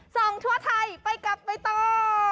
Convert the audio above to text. ส่องชั่วไทยไปกับไม่ต้อง